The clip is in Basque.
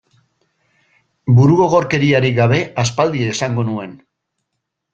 Burugogorkeriarik gabe aspaldi esango nuen.